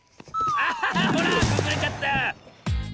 あほらくずれちゃった！